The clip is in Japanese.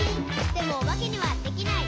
「でもおばけにはできない。」